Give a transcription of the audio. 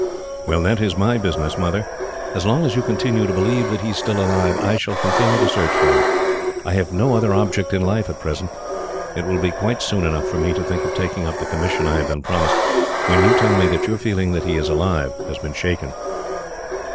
"Well, that is my business, Mother. As long as you continue to believe that he is still alive, I shall continue to search for him. I have no other object in life, at present. It will be quite soon enough for me to think of taking up the commission I have been promised, when you tell me that your feeling that he is alive has been shaken."